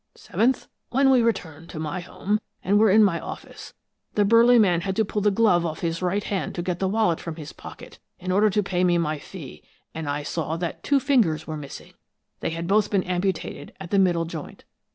Seventh, when we returned to my home, and were in my office, the burly man had to pull the glove off his right hand to get the wallet from his pocket in order to pay me my fee, and I saw that two fingers were missing they had both been amputated at the middle joint.